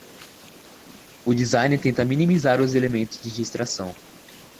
O design tenta minimizar os elementos de distração.